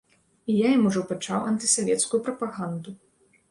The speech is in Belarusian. І я ім ужо пачаў антысавецкую прапаганду.